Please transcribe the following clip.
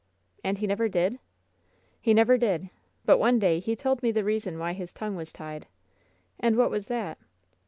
"And he never did?" "He never did. But one day he told me the reason why his tongue was tied." "And what was that?"